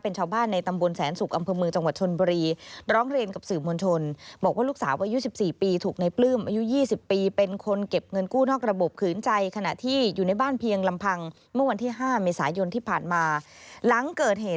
เป็นชาวบ้านในตำบลแสนศุกร์อำเภอเมืองจังหวัดชนบุรี